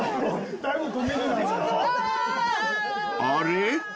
［あれ？